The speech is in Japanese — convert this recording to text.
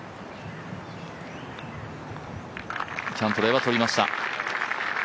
キャントレーは取りました。